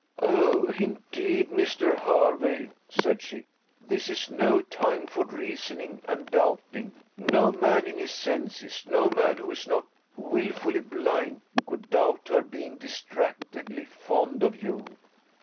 "Oh, indeed, Mr. Hervey," said she, "this is no time for reasoning and doubting. No man in his senses, no man who is not wilfully blind, could doubt her being distractedly fond of you."